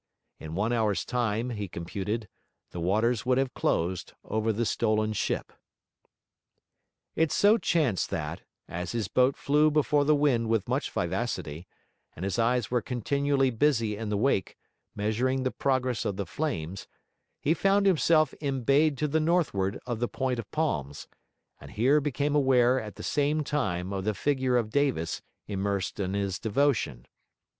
In one hour's time, he computed, the waters would have closed over the stolen ship. It so chanced that, as his boat flew before the wind with much vivacity, and his eyes were continually busy in the wake, measuring the progress of the flames, he found himself embayed to the northward of the point of palms, and here became aware at the same time of the figure of Davis immersed in his devotion.